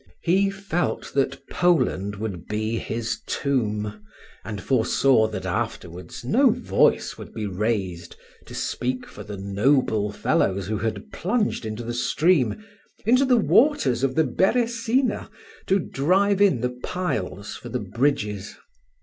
He felt that Poland would be his tomb, and foresaw that afterwards no voice would be raised to speak for the noble fellows who had plunged into the stream into the waters of the Beresina! to drive in the piles for the bridges.